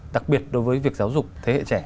đặc biệt đối với việc giáo dục thế hệ trẻ